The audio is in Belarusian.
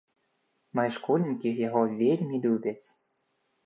Мае школьнікі яго вельмі любяць.